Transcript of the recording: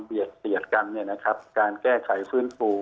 เสียดกันเนี่ยนะครับการแก้ไขฟื้นฟู